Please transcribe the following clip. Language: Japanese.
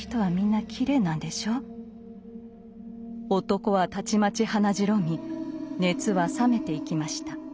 男はたちまち鼻白み熱は冷めていきました。